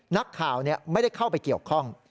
นักข่าวไม่ได้เข้าไปเกี่ยวข้อง